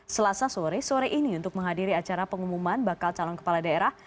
selasa sore sore ini untuk menghadiri acara pengumuman bakal calon kepala daerah